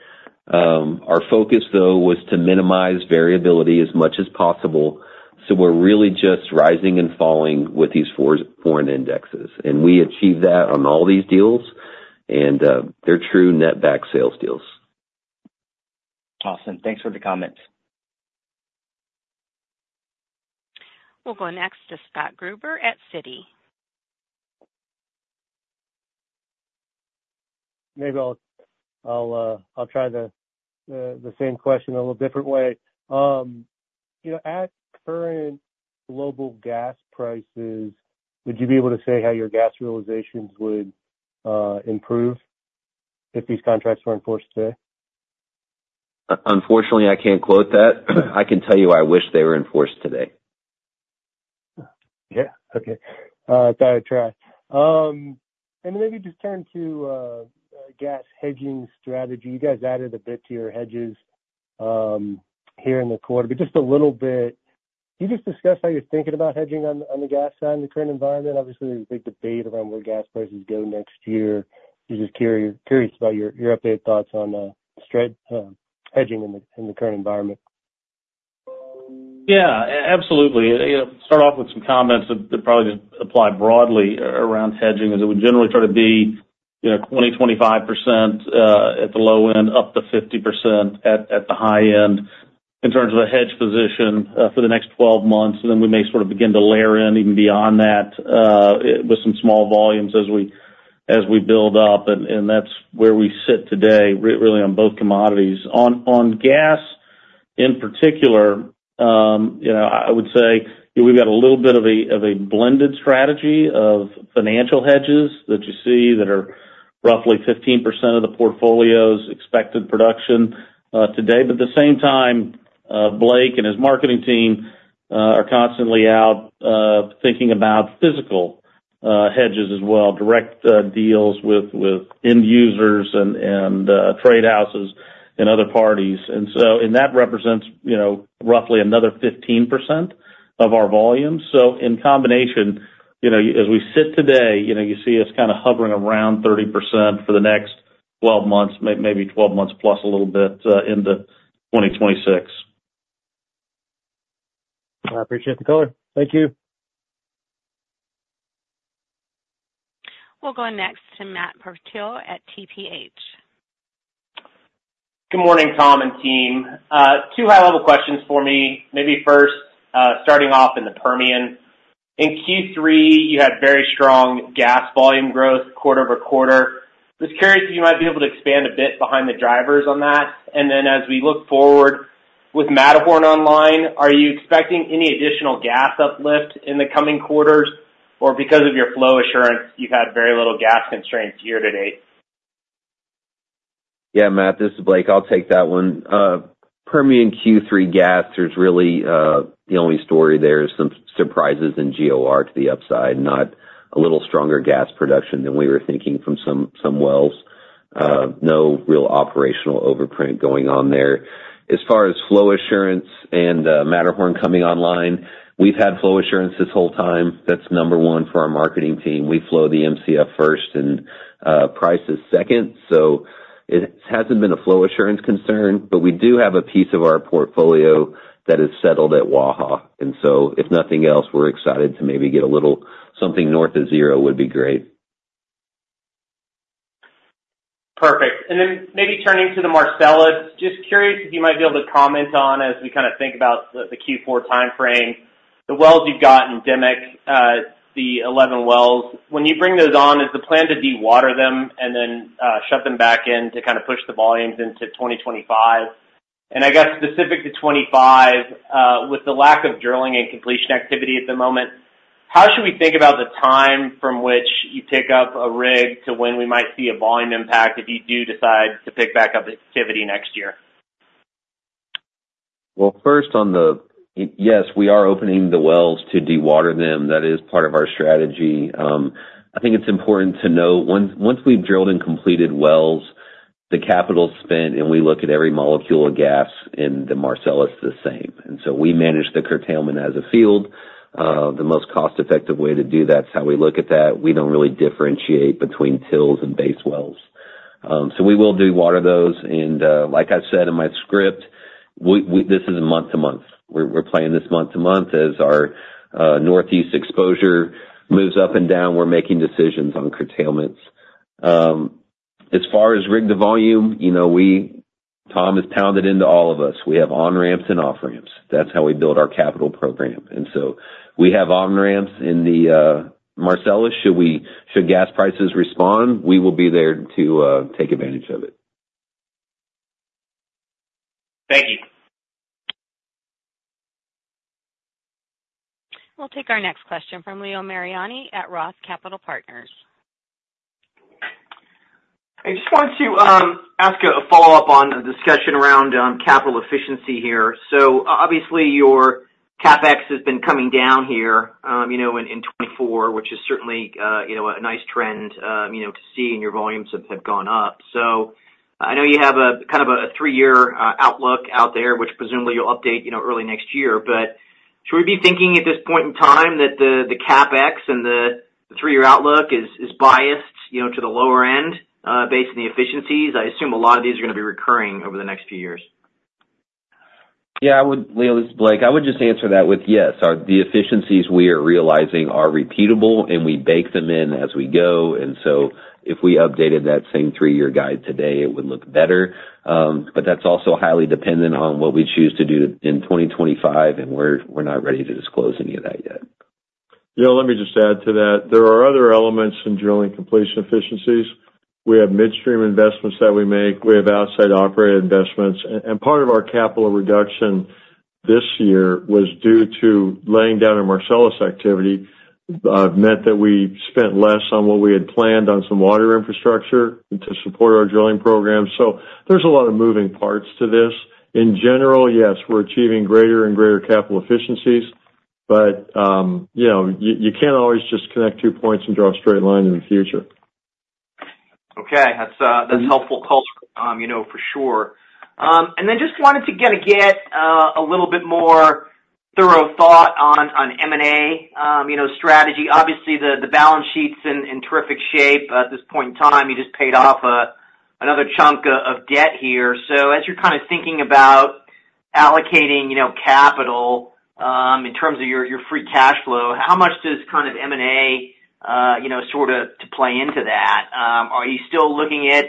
Our focus, though, was to minimize variability as much as possible. So we're really just rising and falling with these foreign indexes, and we achieve that on all these deals, and they're true netback sales deals. Awesome. Thanks for the comments. We'll go next to Scott Gruber at Citi. Maybe I'll try the same question a little different way. At current global gas prices, would you be able to say how your gas realizations would improve if these contracts were enforced today? Unfortunately, I can't quote that. I can tell you I wish they were enforced today. Yeah okay. Got to try, and then maybe just turn to gas hedging strategy. You guys added a bit to your hedges here in the quarter, but just a little bit. You just discussed how you're thinking about hedging on the gas side in the current environment. Obviously, there's a big debate around where gas prices go next year. I'm just curious about your updated thoughts on hedging in the current environment. Yeah. Absolutely. Start off with some comments that probably just apply broadly around hedging, as it would generally try to be 20%-25% at the low end, up to 50% at the high end in terms of a hedge position for the next 12 months. And then we may sort of begin to layer in even beyond that with some small volumes as we build up. And that's where we sit today, really, on both commodities. On gas in particular, I would say we've got a little bit of a blended strategy of financial hedges that you see that are roughly 15% of the portfolio's expected production today. But at the same time, Blake and his marketing team are constantly out thinking about physical hedges as well, direct deals with end users and trade houses and other parties. And so that represents roughly another 15% of our volume. So in combination, as we sit today, you see us kind of hovering around 30% for the next 12 months, maybe 12 months plus a little bit into 2026. I appreciate the color. Thank you. We'll go next to Matt Portillo at TPH. Good morning Tom and team. Two high-level questions for me. Maybe first, starting off in the Permian. In Q3, you had very strong gas volume growth quarter over quarter. I was curious if you might be able to expand a bit behind the drivers on that. And then as we look forward with Matterhorn online, are you expecting any additional gas uplift in the coming quarters, or because of your flow assurance, you've had very little gas constraints year to date? Yeah, Matt, this is Blake. I'll take that one. Permian Q3 gas is really the only story. There is some surprises in GOR to the upside, not a little stronger gas production than we were thinking from some wells. No real operational overprint going on there. As far as flow assurance and Matterhorn coming online, we've had flow assurance this whole time. That's number one for our marketing team. We flow the MCF first and price is second. So it hasn't been a flow assurance concern, but we do have a piece of our portfolio that is settled at Waha. And so if nothing else, we're excited to maybe get a little something north of zero would be great. Perfect. And then maybe turning to the Marcellus, just curious if you might be able to comment on as we kind of think about the Q4 timeframe, the wells you've got in Dimock, the 11 wells. When you bring those on, is the plan to dewater them and then shut them back in to kind of push the volumes into 2025? And I guess specific to 2025, with the lack of drilling and completion activity at the moment, how should we think about the time from which you pick up a rig to when we might see a volume impact if you do decide to pick back up activity next year? First on the yes, we are opening the wells to dewater them. That is part of our strategy. I think it's important to know once we've drilled and completed wells, the capital spent and we look at every molecule of gas in the Marcellus the same. And so we manage the curtailment as a field. The most cost-effective way to do that. That's how we look at that. We don't really differentiate between TILs and base wells. So we will dewater those. And like I said in my script, this is month to month. We're playing this month to month as our Northeast exposure moves up and down. We're making decisions on curtailments. As far as rig the volume, Tom has pounded into all of us. We have on-ramps and off-ramps. That's how we build our capital program. And so we have on-ramps in the Marcellus. Should gas prices respond, we will be there to take advantage of it. Thank you. We'll take our next question from Leo Mariani at Roth Capital Partners. I just want to ask a follow-up on the discussion around capital efficiency here. So obviously, your CapEx has been coming down here in 2024, which is certainly a nice trend to see, and your volumes have gone up. So I know you have kind of a three-year outlook out there, which presumably you'll update early next year. But should we be thinking at this point in time that the CapEx and the three-year outlook is biased to the lower end based on the efficiencies? I assume a lot of these are going to be recurring over the next few years. Yeah. Leo, this is Blake. I would just answer that with yes. The efficiencies we are realizing are repeatable, and we bake them in as we go. And so if we updated that same three-year guide today, it would look better. But that's also highly dependent on what we choose to do in 2025, and we're not ready to disclose any of that yet. Yeah. Let me just add to that. There are other elements in drilling completion efficiencies. We have midstream investments that we make. We have outside operator investments. And part of our capital reduction this year was due to laying down a Marcellus activity that meant that we spent less on what we had planned on some water infrastructure to support our drilling program. So there's a lot of moving parts to this. In general, yes, we're achieving greater and greater capital efficiencies, but you can't always just connect two points and draw a straight line in the future. Okay. That's helpful color, for sure. And then just wanted to get a little bit more thorough thought on M&A strategy. Obviously, the balance sheet's in terrific shape at this point in time. You just paid off another chunk of debt here. So as you're kind of thinking about allocating capital in terms of your free cash flow, how much does kind of M&A sort of play into that? Are you still looking at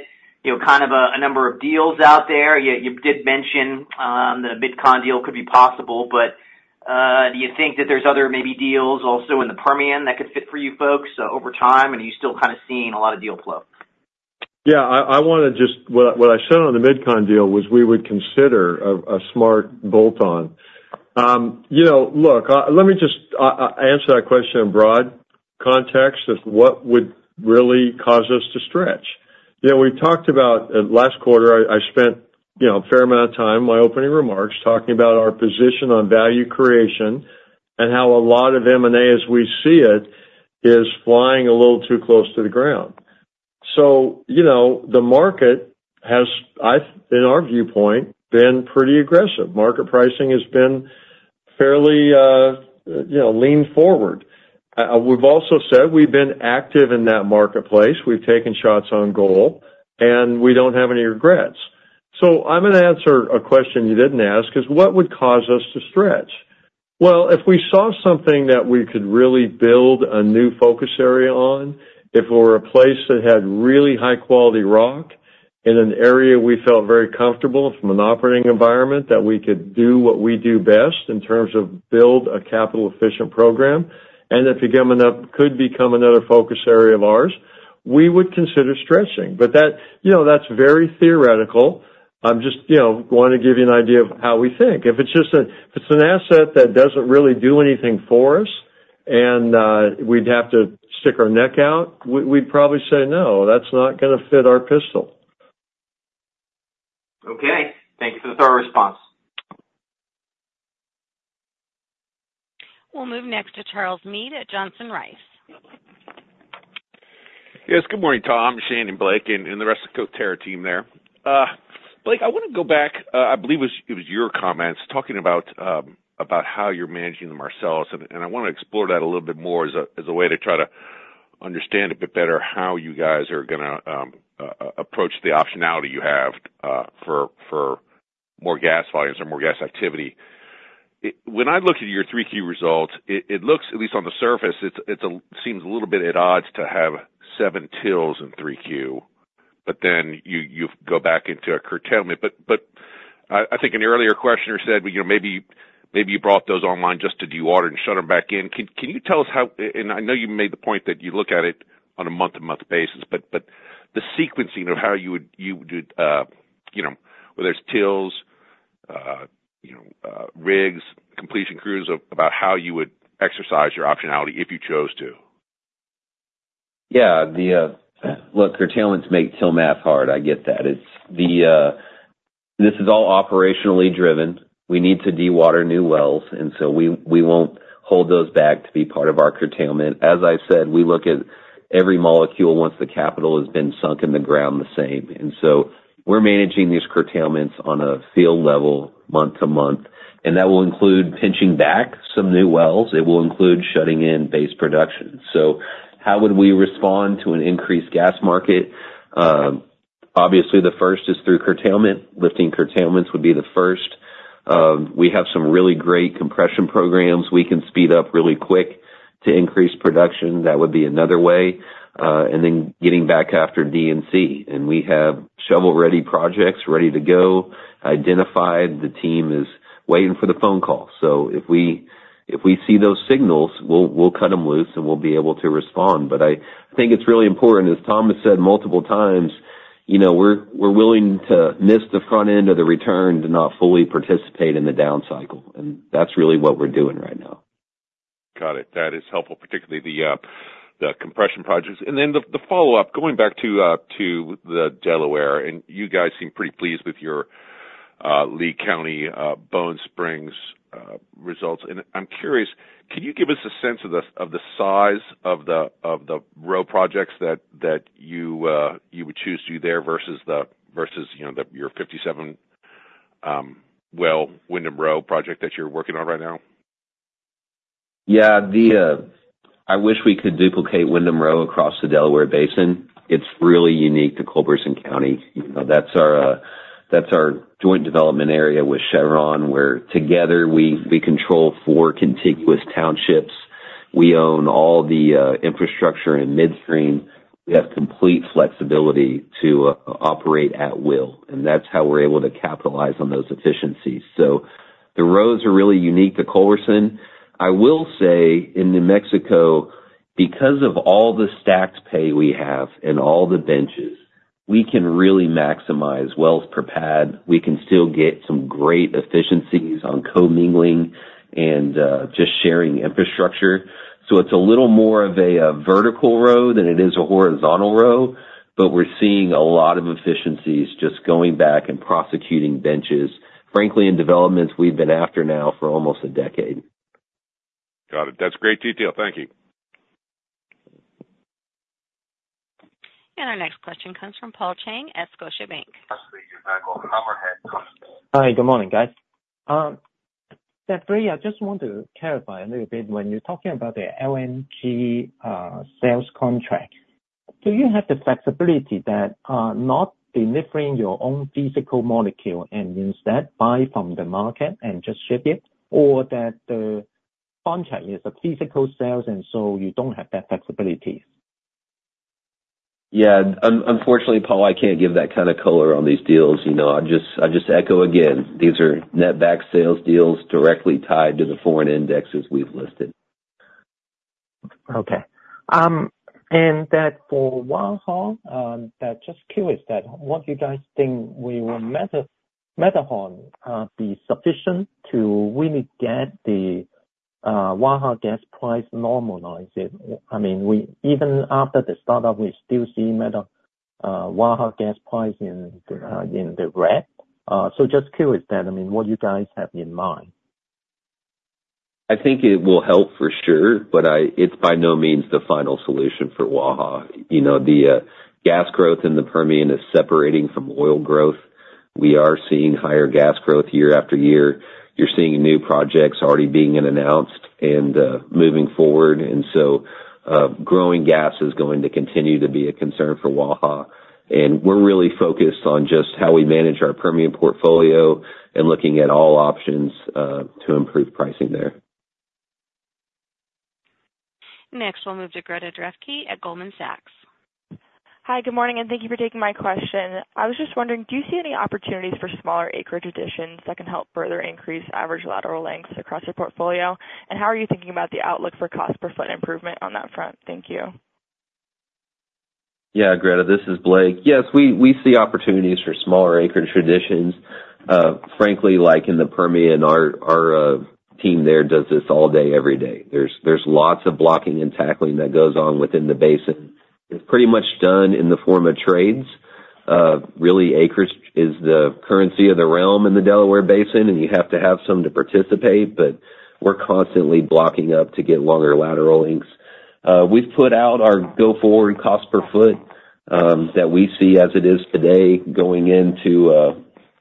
kind of a number of deals out there? You did mention that a Mid-Con deal could be possible, but do you think that there's other maybe deals also in the Permian that could fit for you folks over time? And are you still kind of seeing a lot of deal flow? Yeah. I want to just what I said on the mid-con deal was we would consider a smart bolt-on. Look, let me just answer that question in broad context of what would really cause us to stretch. We talked about last quarter. I spent a fair amount of time in my opening remarks talking about our position on value creation and how a lot of M&A, as we see it, is flying a little too close to the ground. So the market has, in our viewpoint, been pretty aggressive. Market pricing has been fairly lean forward. We've also said we've been active in that marketplace. We've taken shots on goal, and we don't have any regrets. So I'm going to answer a question you didn't ask: what would cause us to stretch? If we saw something that we could really build a new focus area on, if we were a place that had really high-quality rock in an area we felt very comfortable from an operating environment that we could do what we do best in terms of build a capital-efficient program, and it could become another focus area of ours, we would consider stretching. But that's very theoretical. I'm just wanting to give you an idea of how we think. If it's an asset that doesn't really do anything for us and we'd have to stick our neck out, we'd probably say, "No, that's not going to fit our profile. Okay. Thank you for the thorough response. We'll move next to Charles Meade at Johnson Rice. Yes. Good morning Tom, Shane and Blake and the rest of the Coterra team there. Blake, I want to go back. I believe it was your comments talking about how you're managing the Marcellus, and I want to explore that a little bit more as a way to try to understand a bit better how you guys are going to approach the optionality you have for more gas volumes or more gas activity. When I look at your 3Q results, it looks, at least on the surface, it seems a little bit at odds to have seven wells in 3Q, but then you go back into a curtailment. But I think an earlier questioner said maybe you brought those online just to dewater and shut them back in. Can you tell us how, and I know you made the point that you look at it on a month-to-month basis, but the sequencing of how you would do, whether it's wells, rigs, completion crews, about how you would exercise your optionality if you chose to? Yeah. Look, curtailments make the math hard. I get that. This is all operationally driven. We need to dewater new wells, and so we won't hold those back to be part of our curtailment. As I said, we look at every molecule once the capital has been sunk in the ground the same. And so we're managing these curtailments on a field level month to month, and that will include pinching back some new wells. It will include shutting in base production. So how would we respond to an increased gas market? Obviously, the first is through curtailment. Lifting curtailments would be the first. We have some really great compression programs. We can speed up really quick to increase production. That would be another way. And then getting back after D and C. And we have shovel-ready projects ready to go. Identified. The team is waiting for the phone call. So if we see those signals, we'll cut them loose, and we'll be able to respond. But I think it's really important, as Tom has said multiple times, we're willing to miss the front end of the return to not fully participate in the down cycle. And that's really what we're doing right now. Got it. That is helpful, particularly the compression projects. And then the follow-up, going back to the Delaware, and you guys seem pretty pleased with your Lea County Bone Spring results. And I'm curious, can you give us a sense of the size of the row projects that you would choose to do there versus your 57-well Windom Row project that you're working on right now? Yeah. I wish we could duplicate Windom Row across the Delaware Basin. It's really unique to Culberson County. That's our joint development area with Chevron, where together we control four contiguous townships. We own all the infrastructure in midstream. We have complete flexibility to operate at will. And that's how we're able to capitalize on those efficiencies. So the rows are really unique to Culberson. I will say in New Mexico, because of all the stacked pay we have and all the benches, we can really maximize wells per pad. We can still get some great efficiencies on co-mingling and just sharing infrastructure. So it's a little more of a vertical row than it is a horizontal row, but we're seeing a lot of efficiencies just going back and prosecuting benches, frankly, in developments we've been after now for almost a decade. Got it. That's great detail. Thank you. Our next question comes from Paul Cheng at Scotiabank. Hi, good morning, guys. So Blake, I just want to clarify a little bit. When you're talking about the LNG sales contract, do you have the flexibility that not delivering your own physical molecule and instead buy from the market and just ship it, or that the contract is a physical sale, and so you don't have that flexibility? Yeah. Unfortunately, Paul, I can't give that kind of color on these deals. I just echo again, these are net back sales deals directly tied to the foreign indexes we've listed. Okay. And for Waha, just curious, what do you guys think will Matterhorn be sufficient to really get the Waha gas price normalized? I mean, even after the startup, we still see Waha gas price in the red. So just curious that, I mean, what do you guys have in mind? I think it will help for sure, but it's by no means the final solution for Waha. The gas growth in the Permian is separating from oil growth. We are seeing higher gas growth year after year. You're seeing new projects already being announced and moving forward. And so growing gas is going to continue to be a concern for Waha. And we're really focused on just how we manage our Permian portfolio and looking at all options to improve pricing there. Next, we'll move to Greta Drefke at Goldman Sachs. Hi, good morning, and thank you for taking my question. I was just wondering, do you see any opportunities for smaller acreage additions that can help further increase average lateral lengths across your portfolio? And how are you thinking about the outlook for cost per foot improvement on that front? Thank you. Yeah, Greta, this is Blake. Yes, we see opportunities for smaller acreage additions. Frankly, like in the Permian, our team there does this all day, every day. There's lots of blocking and tackling that goes on within the basin. It's pretty much done in the form of trades. Really, acreage is the currency of the realm in the Delaware Basin, and you have to have some to participate, but we're constantly blocking up to get longer lateral lengths. We've put out our go-forward cost per foot that we see as it is today going into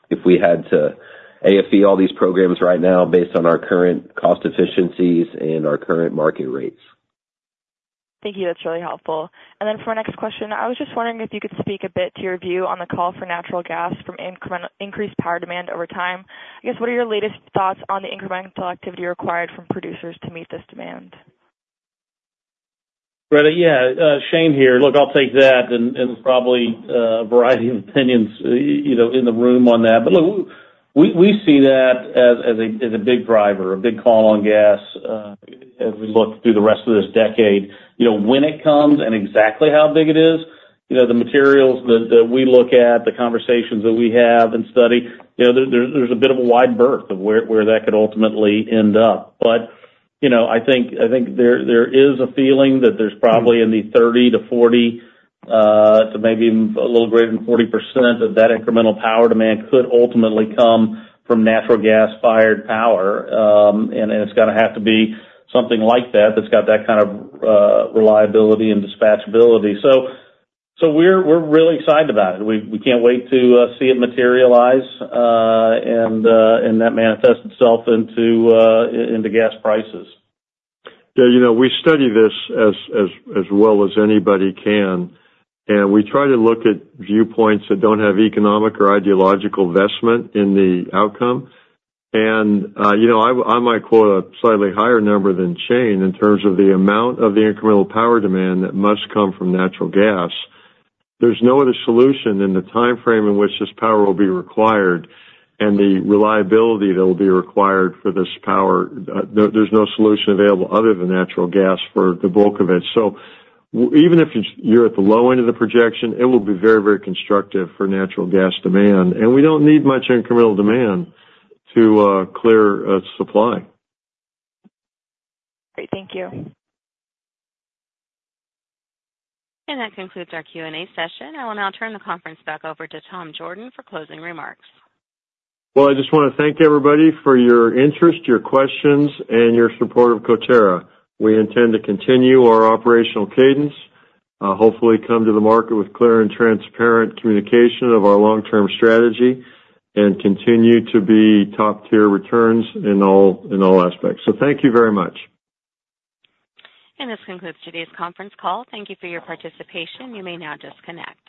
if we had to AFE all these programs right now based on our current cost efficiencies and our current market rates. Thank you. That's really helpful. And then for my next question, I was just wondering if you could speak a bit to your view on the call for natural gas from increased power demand over time. I guess, what are your latest thoughts on the incremental activity required from producers to meet this demand? Greta, yeah. Shane here. Look, I'll take that and probably a variety of opinions in the room on that. But look, we see that as a big driver, a big call on gas as we look through the rest of this decade. When it comes and exactly how big it is, the materials that we look at, the conversations that we have and study, there's a bit of a wide berth of where that could ultimately end up. But I think there is a feeling that there's probably in the 30%-40% to maybe a little greater than 40% of that incremental power demand could ultimately come from natural gas-fired power. And it's going to have to be something like that that's got that kind of reliability and dispatchability. So we're really excited about it. We can't wait to see it materialize and that manifests itself into gas prices. Yeah. We study this as well as anybody can, and we try to look at viewpoints that don't have economic or ideological investment in the outcome. And I might quote a slightly higher number than Shane in terms of the amount of the incremental power demand that must come from natural gas. There's no other solution in the timeframe in which this power will be required and the reliability that will be required for this power. There's no solution available other than natural gas for the bulk of it. So even if you're at the low end of the projection, it will be very, very constructive for natural gas demand. And we don't need much incremental demand to clear supply. Great. Thank you. That concludes our Q&A session. I will now turn the conference back over to Tom Jorden for closing remarks. I just want to thank everybody for your interest, your questions, and your support of Coterra. We intend to continue our operational cadence, hopefully come to the market with clear and transparent communication of our long-term strategy, and continue to be top-tier returns in all aspects. Thank you very much. This concludes today's conference call. Thank you for your participation. You may now disconnect.